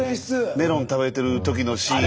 メロン食べてる時のシーン。